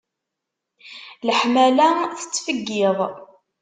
Leḥmala tettfeggiḍ.